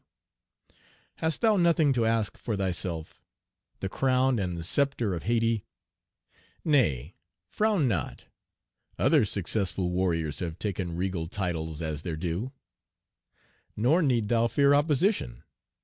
Page 124 Hast thou nothing to ask for thyself? The crown and sceptre of Hayti? Nay, frown not. Other successful warriors have taken regal titles as their due. Nor need thou fear opposition.